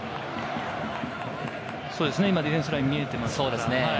今、ディフェンスラインが見えています。